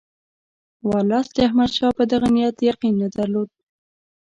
ورلسټ د احمدشاه په دغه نیت یقین نه درلود.